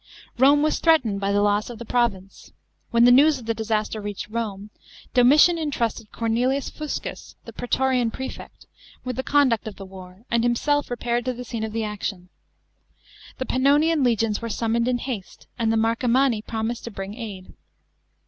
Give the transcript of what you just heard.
Rome was threatened by the loss of the province. When the news of the disaster reached Home, Domitian entrusted Cornelius Fuscus, the prastorian prefect,* with the conduct of the war, and himself repaired to the scene of action. The Pannonian legions were summoned in haste, and the Mar comantii promised to bring aid.